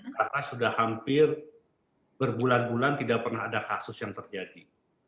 karena sudah hampir berbulan bulan tidak pernah ada kasus yang terjadi